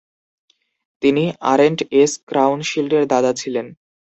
তিনি Arent S. ক্রাউনশিল্ডের দাদা ছিলেন।